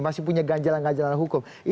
masih punya ganjalan ganjalan hukum